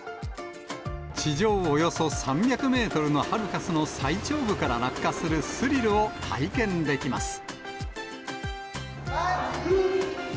地上およそ３００メートルのハルカスの最頂部から落下するスリルを体験できます。